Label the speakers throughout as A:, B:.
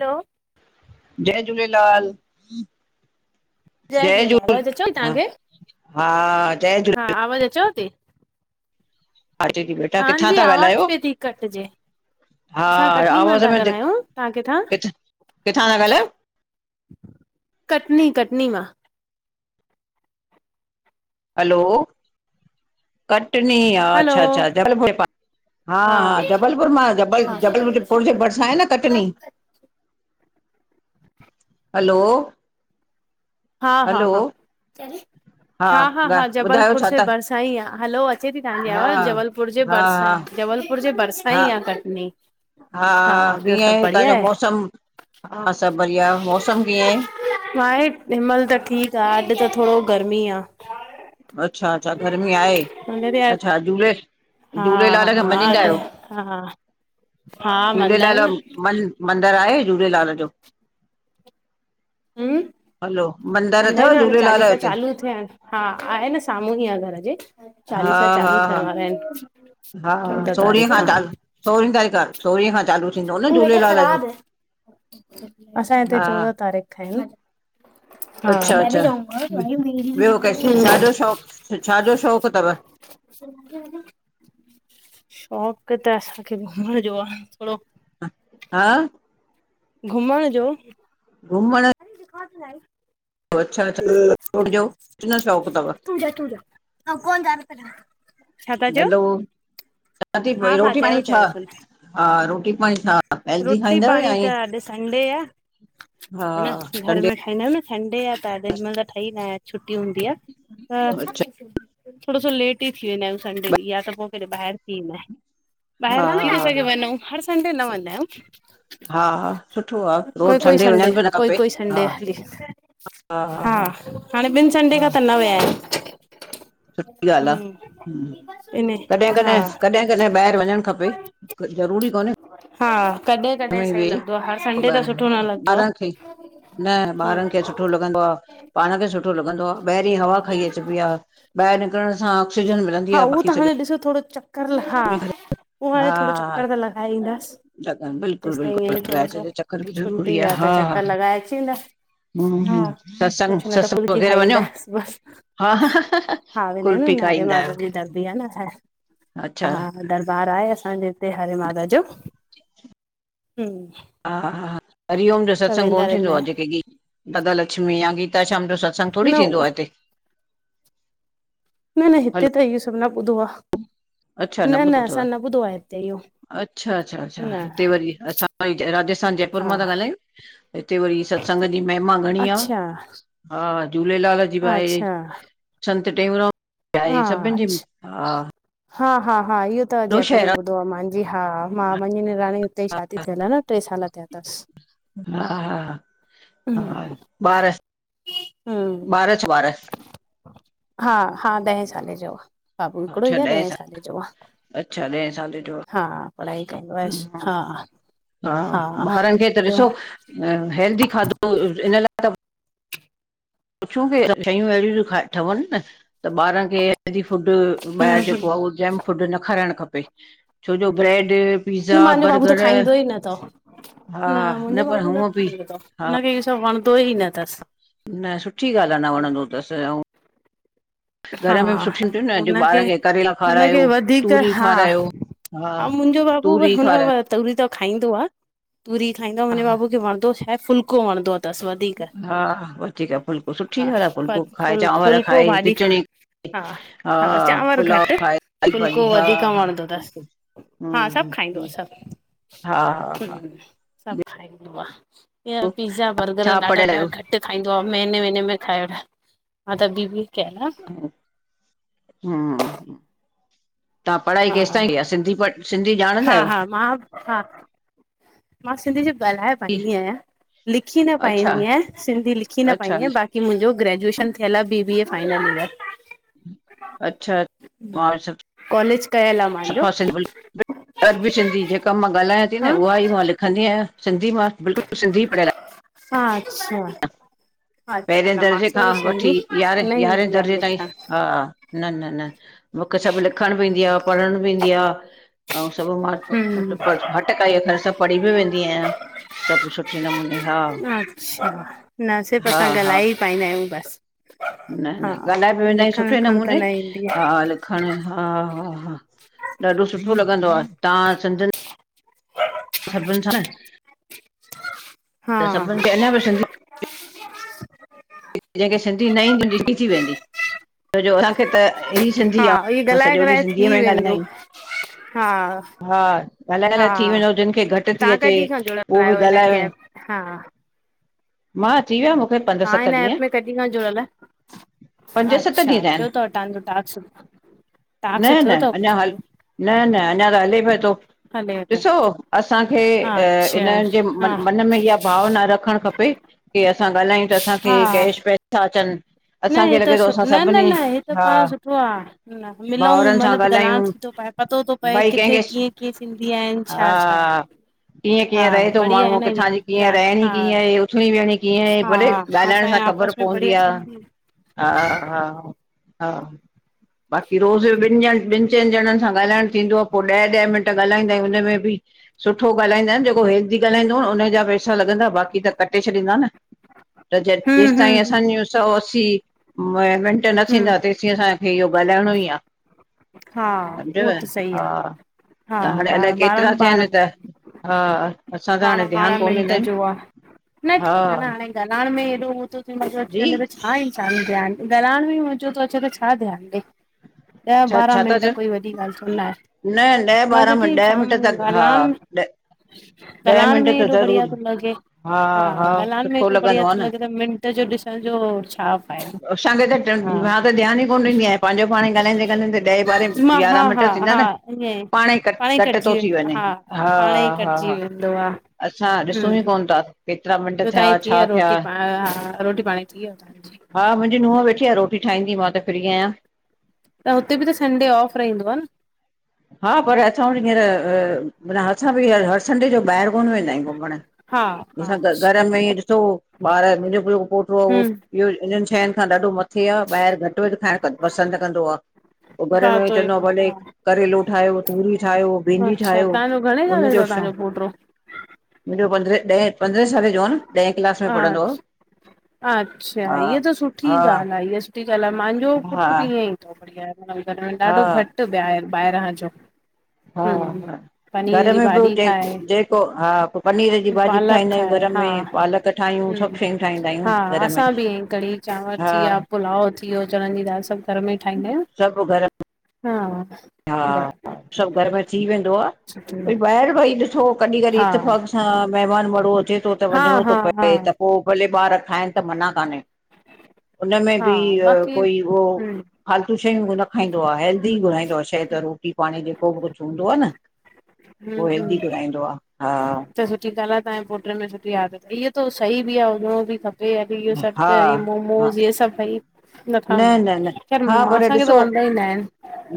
A: हलो
B: जय झूलेलाल जय
A: झूलेलाल
B: झूल
A: आवाज़ अचेव थी
B: हा
A: तव्हांखे
B: हा जय
A: हा
B: झूलेलाल
A: आवाज़ अचोव थीी
B: जी बेटा
A: तव्हां
B: किथां
A: जी
B: था
A: आवाज
B: ॻाल्हायो?
A: पेंअ ती कटजे।
B: हा
A: असां कटनी मां
B: आवाज़
A: था
B: में दि
A: ॻाल्हायूं, तव्हां किथां?
B: किथ किथां था ॻाल्हायो?
A: कटनी-कटनी मां
B: हलो कटनी हा
A: हलो
B: अच्छा-अच्छा जबलपुर जे पा
A: हा
B: हा-हा जबलपुर मां जबल
A: हा
B: जबलपुर पुर जे भरिसां आहे न कटनी? हलो हलो हा ॻा
A: हा-हा-हा-हा-हा-हा
B: ॿुधायो
A: जबलपुर
B: छा
A: से
B: था
A: ॿरसा आहे हलो अचे थी तव्हांजी
B: हा
A: आवाज़
B: हा
A: जबलपुर जे भरिसां,
B: हा हा
A: आहे जबलपुर जे भरिसां
B: हा
A: ई आ। कटनी
B: हा
A: ॿियो
B: कीअं
A: सभु
B: ऐं
A: बढ़िया
B: हूताजों
A: आहे
B: मौसम, हा सभु बढ़िया मौसम कीअं ऐं?
A: माहे हिनमहिल त ठीकु आ अॼु त थोणो गर्मी आ।
B: अच्छा-अच्छा गर्मी आहे
A: हुन ते
B: अच्छा झूले
A: हा
B: झूलेलाल खे
A: हा
B: मञीदाा
A: अॼु
B: आहियो
A: हा हा मंदा
B: झूलेलाल
A: आहियूं न
B: मन मंदर आहे झूलेलाल जो?
A: हूं
B: हलो
A: मंदर
B: अथव
A: में हाणे
B: झूलेलाल जो
A: चालीसा
B: हुते?
A: चालू थिया आहिन। हा आहे न साम्हूं ई आह घर जे
B: हा
A: चालीसा
B: हा
A: चालू
B: हा
A: थियण वारा आहिनि।
B: हा
A: चोॾहं
B: सोरहीं
A: तारीख़
B: खां चालू, सोरहीं तारीख़ आ सोरहीं खां चालू थींदो न झूलेलाल जो
A: असां हिते चोॾहं तारीख़ खां ई न।
B: अच्छा-अच्छा ॿियो के
A: हा
B: छाजों शौंक़ु छा जो शौंक़ु तवं?
A: शौक़ त असांखे घुमण जो आ थोणो
B: ह हा
A: घुमण जो
B: घुमण
A: [unintelligible]
B: अच्छा
A: हा
B: [unintelligible] शौक़ु तवं।
A: छा था चयो
B: हलो
A: हा
B: चवाती
A: हा
B: रोटी
A: चयो
B: पाणी छा
A: चयो सुन
B: हा रोटी पाणी छा हेल्दी
A: रोटी
B: खाईंदा आहियो या
A: पाणी त
B: ईअं?
A: अॼु संडे आ
B: हा
A: हन घर
B: संडे
A: में न सडे आ त अॾ हिन महिल त ठही नाये छुटी हूंदी आ त
B: अच्छा
A: थोणो सो लेट ई थी वेंदा आहियूं संडे ॾींहुं, या त पोइ कॾहिं ॿाहिरि थीदाय,
B: हा
A: ॿाहिरि थी तो
B: हा
A: सघे वञंयू? हर संडे न वदायूं।
B: हा हा सुठो आ रोज़
A: कोई-कोई संडे,
B: वञण बि न खपे
A: कोई-कोई
B: हा
A: संडे हली हा हाणे ॿिनि संडे
B: हा
A: खां त न विया आहियूं।
B: सुठी ॻाल्हि आ
A: हम्म,
B: हं
A: इन हा
B: कॾहिं-कॾहिं कॾहिं-कॾहिं ॿाहिरि वञणु खपे ज़रूरी कोन्हे
A: हा
B: घर
A: कॾहिं-कॾहिं
B: में ई
A: सही लॻंदो
B: वेह
A: आ हर संडे त सुठो न लॻंदो आ।
B: ॿारनि खे न ॿारनि खे सुठो लॻंदो आ, पाण खे सुठो लॻंदो आ, ॿाहिरि हवा खाई अचिबी आ ॿाहिरि निकरण सां ऑक्सीजन मिलदीं
A: हा
B: आ
A: उहो
B: बाक़ी
A: त
B: सॼो
A: हाणे ॾिसो थोणो चक्कर ल हा उह हाणे थोणो चक्कर त लॻाए ईंदास।
B: बिल्कुलु-बिल्कुलु लॻाये अच्जो जो चक्कर ॿि ज़रूरी
A: छुटी
B: आ
A: आहे
B: हा।
A: त चकर लॻाए अची वेंदा हा
B: हूं सत्संग,
A: कुझु न त
B: सत्संग
A: फुल्की
B: वग़ैरह
A: खाई
B: वञो?
A: ईंदासि बसि
B: हा हा कुल पी खाईंदा आहियो।
A: दर्दी आ न छा
B: अच्छा
A: हा। दरबार आहे असांजे हिते हरे मााता जो ह
B: हा-हा हरिओम जो सत्संग कोन्ह
A: रहंदा
B: थींदो आ?
A: आहिनि
B: जेके गीत दादा लक्ष्मी या गीता श्याम जो सत्संगु? संग
A: न
B: थोडी़ थींदो आहे हिते?
A: न न
B: हलो
A: हिते त इहो सभु न ॿुधो आ
B: अच्छा
A: न
B: ॿुधो
A: न
B: अथव
A: असां न ॿुधो आ हिते इहो
B: अच्छा अच्छा अ्छा
A: न
B: हिते वरी असां [unintelligible] राजस्थान जयपुर
A: हा
B: मां था ॻाल्हायूं हिते वरी सत्संग जी महिमा घणी आ
A: अच्छा
B: हा झूलेलाल जी भ आहे
A: अच्छा
B: संत टेऊंराम
A: हा
B: आहे सभिनि जी
A: अच्छा
B: हा
A: हा हा हा इहो त
B: वॾो
A: जयपुर में
B: शहर
A: ॿुधो आहे मुंहिंजी हा मां मुंहिंजी निणानी हुते ई शादी थियल आहे न ट्रे साल थियाथसि
B: हा हा हा हा
A: हम्म
B: बारस
A: हम्म
B: ॿारछ ॿारछ
A: हा हा ॾहें साले जो आ बाबू हिकिड़ो ई आहे ॾहें साले जो आहे
B: अच्छा ॾह साल जो
A: हा पढ़ाई कंदो आहेसि हा
B: आ हा ॿारनि खे त
A: ॿियो
B: ॾिसो अ हैेल्दी खाधो हिन ला पुछूं की शयूं अहिड़ियूं थी खाएं ठवन न त ॿारनि खे हैेल्दी फुड
A: हम्म
B: ॿाहिरि जेको आहे उहो जैम फूड न खाराइणु खपे छोजो ब्रेड
A: न
B: पिज़ा
A: मुंहिंजो बाबू त
B: बर्गर
A: खाईंदो ई न अथव
B: हा न पर हुअ बि हा
A: हुनखें इहो सॿ वणंदो ई न थस
B: न सुठी ॻाल्ह आ न वणंदो तस ऐं
A: [inaudible] हा
B: घर में बि सुठियूं थियूं न अॼु ॿार
A: हुनखे
B: खे करेला
A: हुनखे
B: खारायो
A: वधीक
B: तूरी
A: हा
B: खारायो हा
A: ऐं मुंहिंजो बाबू बि
B: तूरी
A: हुन
B: खारायो
A: वध तूरी त खाईंदो आ तूरी खाईंदो आहे मुंहिंजे बाबू खे वणंदो छाहे फुलको वणंदो तस वध धीक
B: हा वधीक फुल्को सुठी
A: हा
B: ॻाल्हि आहे
A: पर
B: फुल्को खाए
A: फुल
B: चांवर
A: फुलको
B: खाए
A: भाॼी खा
B: खिचड़ी
A: हा हा चांवर
B: पुलाव
A: घट
B: खाए साई भाॼी
A: फुलको
B: हा
A: वधीक
B: हा
A: वणंदो तस
B: बिल्कुलु हम्म
A: हा सॿ खाईंदो आहे
B: हम्म
A: सॿ
B: हा हा हा
A: हं सॿ खाईंदो आ हीयर पिज़ा बर्गर
B: छा
A: ॾाढा
B: पढ़ियल
A: ॾ
B: आहियो
A: घट ्ट खाईंदो आ महीने महीने में खाइवठे न त बीबीय खे
B: हमम तव्हां पढ़ाई
A: हा
B: केसिताईं क आहे सिंधी प सिंधी
A: हा
B: ॼाणंदा आहियो?
A: हा मां हा मां सिंधी जी ॻाल्हायां
B: जी
A: पाईंदी आहियां लिखी न
B: अच्छा
A: पाईंदी आहियां सिंधी लिखी न पाईंदी
B: अच्छा
A: आहियां बाक़ी कि मुंहिंजो ग्रेजुएशन थियल आहे B B A final year
B: अच्छा मां स
A: कॉलज कयल आ हलो
B: सफ़ा कअम ॻाल्हायां थी न उहा ई मां लिखंदी आहियां सिंधी मां बिल्कुलु सिंधी पढ़ियल आहियां
A: हा अच्छा अच्छा
B: पहिरें
A: न
B: दर्जे
A: मूंखे
B: खां
A: वरी
B: वठी
A: सिंधी न
B: यारह यारहें
A: ईंदी आहे
B: दर्जे ताईं
A: लिखण
B: हा न न न मूंखे सॿ लिखण बि ईंदी आ पढ़ण बि ईंदी आ। ऐं सभु मां
A: हम्म
B: मतिलब हटकाई अ़ [unintelligible] र सभु पढ़ी बि वेंदी आहियां सॿ सुठे नमूने हा
A: अच्छा न सिर्फ़
B: हा
A: असां
B: हा
A: ॻाल्हाए ई पाईंदा आहियूं बस
B: न न ॻाल्हाए बि वेंदा आहियूं सुठे
A: विखण त
B: नमूने
A: न ईंदी आहे
B: हाल खण हा हा हा ॾाढो सुठो लॻंदो आ तव्हां सिंधिन
A: ह [inaudible]
B: सॿ बि न सां??
A: हा
B: त
A: हा
B: सभिनि खे अञा बि सिंधी
A: ह
B: जंहिंखे सिंधी न ईंदी ॾिसीजी वेंदी छोजो हुनन खे त अहिड़ी सिंधी
A: हा
B: आ
A: इहो
B: असां
A: ॻाल्हाए
B: सॼो ॾींहुं
A: ॻाल्हाए
B: सिंधीअ
A: थी
B: में
A: वेंदो
B: ॻाल्हंदाययूं
A: हा
B: हा ॻाल्हाइ लाइ थी
A: हा
B: वेंदो जिनखे घटि थी
A: तव्हां
B: अचे
A: कॾहिं खां जुड़ियल
B: उहो बि
A: आहियो हिन
B: ॻाल्हाइ व
A: कैब हा
B: मां अची विया मूंखे पंज्र
A: तव्हां
B: सत
A: हिन एप
B: ॾींहं
A: में कडींका जुड़ल
B: पंज सत ॾींहं
A: अच्छा
B: थिया
A: थियो
B: आहिनि
A: अथव तव्हांजो टास्क्स
B: न
A: टास्क्स थियो
B: न
A: अथव कुझु
B: अञा हल
A: पूरो
B: न न अञा त हले पियो तो
A: हले थो
B: ॾिसो असांखे अ
A: अच्छा
B: इननि जे
A: हा
B: मन में इहा भाव न रखणु खपे की असां ॻाल्हायूं त असांखे
A: हा
B: कैश वैश त अचनि
A: न हे
B: असांखे
A: त
B: लॻे थो असां
A: न न
B: सभिनी
A: न हे त
B: हा
A: पाण सुठो आ न मिलयूं
B: भाउरनि सां
A: मतलबु ॻाल्हाइण
B: ॻाल्हायूं
A: थी थो पए पतो थो पए
B: भई
A: किथे
B: कंहिंखे
A: कीअं कीअं सिंधी आहिनि छा छा आहे
B: हा कीअं
A: हा
B: कीअं रहे थो
A: बढ़िया आहे
B: माण्हू
A: न
B: किथां जी
A: इहे
B: कीअं
A: जान
B: रहणी
A: हा
B: कीअं आहे उथणी वेहणी कीअं आहे
A: हा
B: भले ॻाल्हाइण
A: असांजे
B: सां ख़बर
A: आपस में
B: पवंदी
A: बढ़िया
B: आहे
A: सिंधी
B: हा हा हा बाक़ी रोज़ ॿिनि ॼणनि ॿिनि चइनि ॼणनि सां ॻाल्हाइणु थींदो आहे पोइ ॾह ॾह मिंट ॻाल्हाईायूं हुनम में बि सुठो ॻाल्हाईंदा आहिनि जेको हेल्दी ॻाल्हाईंदो न हुनजा पैसा लॻंदा बाक़ी त कटे छॾींदा न त
A: हम्म
B: जेसि
A: हम्म
B: ताईं
A: हम्म
B: असांज सौ असी मटे न
A: हम्म
B: थींदा तेस जिंअ असांखे इहो ॻाल्हाइणो ई आहे
A: हा
B: सम्झव
A: उहो त सही
B: हा
A: आहे हा
B: त हाणे अलाए
A: ॿारहं
B: केतिरा
A: ॿारहं
B: थिया आहिनि त हा असां त
A: बारां
B: हाणे ध्यानु
A: बारह
B: कोन
A: मिंट
B: ॾींदा आहियूं
A: जोआ न
B: हा
A: ठिक न हाणे दलाण में एॾो हू तो थे अची
B: जी
A: वञे हा इंसानु ध्यानु ॻालाइण में मजो थो अचे त छा ध्यानु ॾे। ॾह
B: छा
A: ॿारहं
B: छा था
A: मिंट
B: चओ
A: कोई वॾी ॻाल्हि छो न आहे,
B: न ॾह
A: पऱ
B: ॿारहं
A: दीदी
B: मिंट ॾह मिंट
A: शामु
B: त हा
A: ॻाल्हाइणन।
B: ॾह ॾह
A: गलायड़
B: मिंट
A: में
B: त
A: एडो बड़ीया
B: ज़रूरु
A: तो लॻे। हा, गालायण में
B: सुठो
A: हेत्रो बढ़िया
B: लॻंदो आहे
A: थो
B: न
A: लॻे त मिंट जो ॾिसण जो छा फायदो।
B: असांखे दंद मां ध्यानु ई कोन ॾी आहियां पंहिंजोपाण ॻाल्हाईंदे ॻ्हंदे ॾहे ॿारहें
A: मां हा
B: यारह मिंट
A: हा
B: थींदा
A: हा
B: एन
A: ईअं
B: पाण ई, कट
A: पाणे
B: कट्
A: कटिजी
B: थो थी वञे हा हा हा।
A: हंदो आ
B: असाँ ॾिसूं ई कोन था। केतिरा मिंट
A: ब्यो
B: थिया
A: तांजी थी
B: छा
A: व्यव,
B: थिया
A: रोटी प प् हा रोटी पाणी थिव्युओ।
B: हा, मुंहिंजी नुंहुं वेठी आ रोटी ठाहींदी, मां त फ्री आहियां।
A: त हुते बि त संडे ऑफ रहंदो आ न?
B: हा पर असां वटि हींअर माना असां बि हर संडे जो ॿाहिरि कोन वेंदा आहियूं घुमण।
A: हा हा
B: असां घर
A: अच्छा
B: में ॾिसो ॿार मुंहिंजो जेको पोटो आ उहो
A: हम्म
B: इहो इननि शयुनि खां ॾाढो मथे आ ॿाहिरि घटि वधि खाइणु पसंदि कंदो आ। पो घरे
A: हा
B: मे इ
A: तो ई
B: चवंदो भले
A: हा
B: करेलो ठाहियो, तूरी ठाहियो, भींडी
A: अच्छा
B: ठाहियो
A: तव्हांजो घणे साले जो
B: हुनजो
A: आ तव्हांजो
B: शौक़
A: पोटो?
B: मुंहिंजो पंद्रहें ॾहें पंद्रहें साल जो न ॾहें क्लास में पढ़ंदो हो।
A: अच्छा अच्छा हीअ त सुठी
B: हा
A: ॻाल्हि आ इहा सुठी ॻाल्हि आ मुंहिंजो पुटृ बि ईअं ई बढ़िया घर में ॾाढो
B: हा
A: घटि ॿाहिरि ॿाहिरां जो
B: हा
A: हम्म
B: हा
A: पनीर
B: घर
A: जी
B: में बि
A: भाॼी
B: हुजेस
A: खाए
B: जेको हा पो पनीर जी भाॼी
A: पालक
B: ठाहींदा आहियूं
A: खाए
B: घर
A: हा
B: में पालक ठाहियूं
A: हम्म
B: सभु शयूं ठाहींदा आहियूं घर में
A: असां बि इयइ कढ़ी चांवर थी
B: हा
A: चिया पुलाव थी वियो चणनि जी दाल सभ घर में ठाहंदा आहियूं।
B: सब घर
A: हा। बर
B: हा सभ घर में थी वेंदो आ
A: सुठी
B: भई ॿाहिर भई ॾिसो। कॾहिं कॾहिं
A: हा
B: इतिफ़ाक़ सां मेहमान माड़ु अचे थो त
A: हा
B: वञिणो
A: हा
B: तो
A: हा
B: पए त। पो भले ॿार खाइन त मना कान्हे। उनमें
A: हा
B: बि
A: बाक़ी
B: कोई उहो।
A: हम्म
B: फालतू शयूं न ऊ खाईंदो आ। हैेल्दी गुराईंदो आ, शइ त रोटी पाणी जेको बि कुछ हूंदो आ न।
A: हम्म
B: उह हेल्दी
A: हम्म
B: घुराईंदो आ हा।
A: त सुठी ॻाल्ह आ तांजे पुट्र में सुठी आदत इहो सही आ हुजणो बि खपे। इहो त यो
B: हा
A: सभ्
B: हा हा
A: मोमोस इहे सभ भई। न खाव
B: न न
A: ख़ैर
B: हा पर
A: माँसांखे त
B: ॾिसो
A: वनंनदाईन आहिन।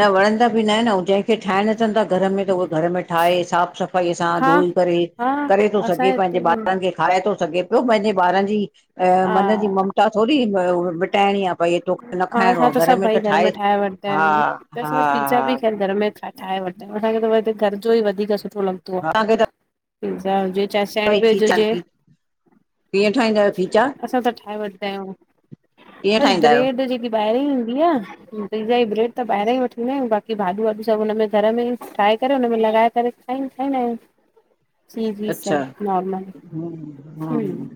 B: न वणंदा बि न आहिन अऊ जंहिंखे ठाहिण अचन था घर में त उह घर में ठाहे साफ़ सफ़ाई। सफ़ाई सां
A: हा
B: धोई करे
A: हा
B: करे थो
A: असांजे
B: सघे पंहिंजे
A: हिते
B: ॿारन खे। ठाहे थो सघे प्यो पंहिंजे ॿारन जी अ
A: हा
B: मन जी ममता थोरी मिटाइणी आ। भई ही तोखे न
A: हा
B: खाइणो
A: असां
B: आ घर
A: सभु
B: में त
A: भई
B: ठाहे
A: वठंदा
B: हा
A: आहियूं त
B: हा
A: असां त पिज़्ज़ा बि
B: हा।
A: ख़ैर घर में ठाहे वठ असांखे त घर जो ई वधीक सुठो लॻंदो आ
B: हा तव्हांखे त
A: पिज़ा हुजे। चाहे
B: भई
A: सेंडविच
B: खीचा
A: हुजे।
B: कीअं ठाहींदायो पीजा?
A: असां त ठाहे वठंदा आहियूं
B: कीअं
A: बस
B: ठाहींदा आहियो
A: ब्रेड जेकी ॿाहिरई हूंदियां। पिज़्ज़ा ई ब्रेड त ॿाहिरां ई वठींदायूं, बाक़ी भाॼूं वाॼियूं सभ हुन में घर में ई ठाहे करे हुनमें लॻाए करे। ठईंदायू चीज़ पीज़ा
B: अच्छा
A: नॉर्मल हं।
B: हम्म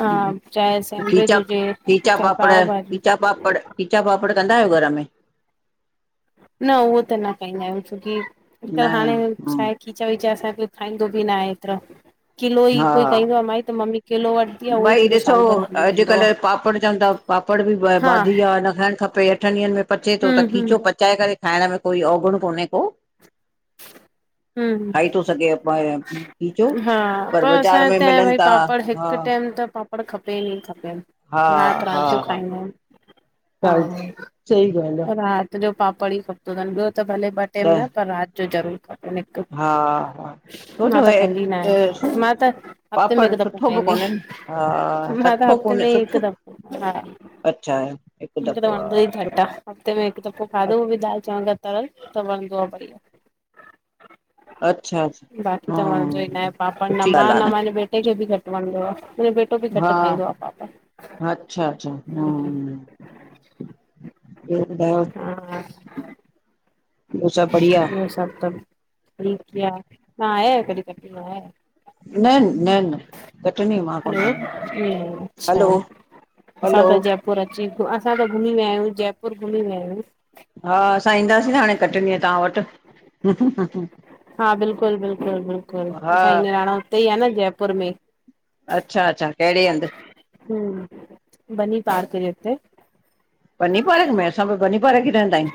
A: हा चाहे सैंडविच
B: खीचा
A: हुजे
B: खीचा
A: चाहे
B: पापड़
A: पाव भाजी।
B: खीचा पापड़। खीचा पापड़ कंदा आहियो घर में?
A: न उहो त न कंदा आहियूं, छोकी
B: न
A: अॼुकल हाणे छा
B: हम्म
A: आहे की। खीचा वीचा असांखे खाईंदो बि ना आहे एतरा किलो ई कोई
B: हा
A: कंदो आहे, माई त मम्मी किलो वट्।
B: भई ॾिसो अॼुकल्ह पापड़ चवन था। पापड़ बि
A: हा
B: बाधी आ न खायणु खपे अठन ॾींहं में। पचे थो त
A: हम्म हम्म
B: खीचो पचाए करे खाइण में कोई अवगुण कोन्हे को।
A: [inaudible] हं
B: खाई थो सघे खीचो
A: हा पर
B: बाज़ारि
A: असां
B: में
A: हिते
B: मिलनि
A: भई
B: था
A: पापड़।
B: हा
A: हिकु टाइम त पापड़ खपे ई ई खपे
B: हा
A: रात
B: हा
A: रात जो
B: हा
A: खाईंदा आहियूं। हा
B: साईं सही ॻाल्हि आहे।
A: राति जो पापड़ ई खपो अथन ॿियो त भले ॿ टाइम न
B: त
A: पर रात जो। जो ज़रूर खपनि हिक।
B: हा हा
A: मां
B: छोजो
A: त खाईंदी ई न
B: हे
A: आहे मां त हफ़्ते में
B: पापड़
A: हिक दफ़ो
B: सुठो बि
A: खाईंदी
B: कोन्हे न, हा
A: आ। माँ त
B: सठो
A: हफ़्ते में
B: कोन्हे
A: ई
B: सुठो
A: हिकदम हा।
B: अच्छा हिक दफ़ो आ।
A: यही थद्दा हफ़्ते में हिकु दफ़ो खाधो उहो बि दालि चांवर तरयल त वणंदो आ भई।
B: अच्छा
A: बाक़ी
B: हा
A: त वणंदो ई न आहे पापा न
B: सुठी
A: मां
B: ॻाल्हि आहे
A: न माँ बेटे खे बि घट वणंदो आ। अटो बि घट
B: हा
A: खाईंदो आ पाप।
B: ब्यो कंया।
A: हा उहो सभ त ठीक थी नाहे कॾहिं कॾहिं।
B: न न न कटनी मां कोन
A: हलो
B: आई
A: ये अच्छा
B: हलो।
A: असां
B: हलो।
A: त जयपुर अची असां त घुमी वया आहियूं जयपुर घुमी वया आहियूं।
B: हा असां ईंदासीं न हाणे कटनी आ तां वट्।
A: हा बिल्कुल बिल्कुलु बिल्कुल
B: हा
A: असांई निरांनो। इतेई आ, न जयपुर में।
B: अच्छा अच्छा, कहिड़े हंध?
A: हूं, बनीं पार्क जे उते।
B: बनींपारक में, असां बि बनींपारक ई रहंदायूं।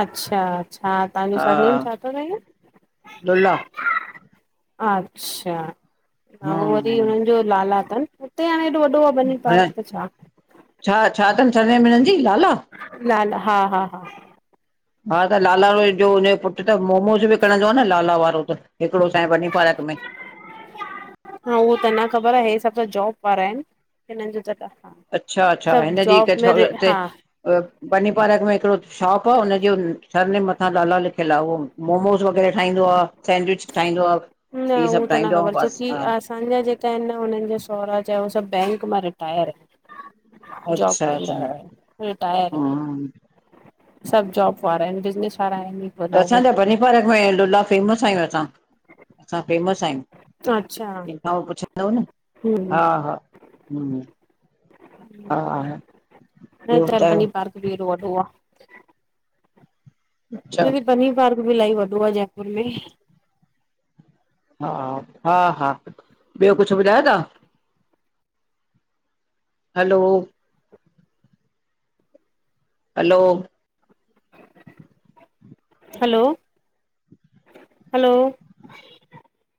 A: अच्छा अछा, तहांजो सरनेम
B: हा
A: छाथो रहेव?
B: लुला
A: अच्छा, अऊं वरी
B: हम्म
A: हुनन जो लाला तन। उते हाणे एॾो वॾो आ बनी
B: हाणे
A: पार्क त छा।
B: छा, छा थन सरनेम हिनन जी लाला?
A: लाला, हा हा हा
B: हा त, लाला उहोई जो उनजो पुट पुट्र त मोमोज़ विकणदो आ न, लाला वारो त हिकड़ो असांजे बनींपारक में।
A: न, उहो त न ख़बर आ, हे सब त जॉब वारा एन, हिनन जो त ॾा
B: अच्छा अच्छा, हिनजी हिक छोर ते
A: हा
B: बनीपारक में हिकड़ो शॉप आ, उनजे सरनेम मथां लाला लिखियल आ, ओ मोमोस़ वग़ैरा ठाईंदो आ, सैंडविच ठाईंदो आ।
A: न,
B: इहे सभु
A: हू त न
B: ठाहींदो आ
A: ख़बर,
B: बस
A: छोकी
B: हा
A: आस् असांजा जेका एन न, हुनन जा सहुरा जा, हू सभ बैंक मां रिटायर एन। जॉब
B: अच्छा
A: कंदा
B: अच्छा
A: हुया, रिटायर एन।
B: हम्म
A: सभु् जॉब वारा एन, बिज़नस वारा आहिन ई कोन
B: त
A: उहे
B: असांजा, बनीपारक में लुल्ला फेमस आयूं असां, असां फेमस आयूं।
A: अच्छा
B: केंखां बि पुछंदव न, हा
A: हम्म
B: हा, हूं हा हा, ॿयो ॿुधायो?
A: दिल्ली एॾो वॾो आ।
B: अच्छा
A: शाही पनीर पार्क बि इलाही वॾो आ जयपुर में।
B: हा, हा हा, ॿयो कुछ ॿुधायो ता? हलो! हलो!
A: हलो, हलो!